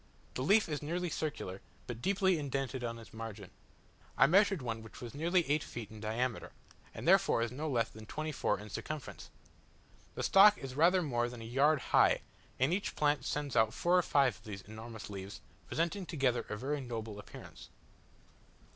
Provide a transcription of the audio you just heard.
The leaf is nearly circular, but deeply indented on its margin. I measured one which was nearly eight feet in diameter, and therefore no less than twenty four in circumference! The stalk is rather more than a yard high, and each plant sends out four or five of these enormous leaves, presenting together a very noble appearance.